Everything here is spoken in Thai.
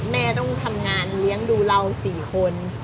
แม่ต้องทำงานเลี้ยงดูเรา๔คน